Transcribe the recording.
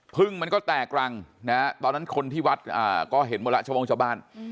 พึ่งมันก็แตกรังนะฮะตอนนั้นคนที่วัดก็เห็นหมดแล้วชาวโม่งชาวบ้าน